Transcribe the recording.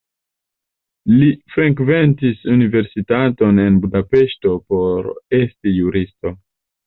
Li frekventis universitaton en Budapeŝto por esti juristo.